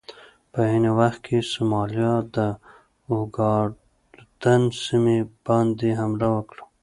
په عین وخت کې سومالیا د اوګادن سیمې باندې حمله وکړه.